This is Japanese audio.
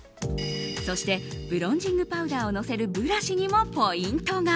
そして、ブロンジングパウダーをのせるブラシにもポイントが。